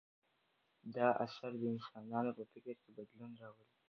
دا اثر د انسانانو په فکر کې بدلون راولي.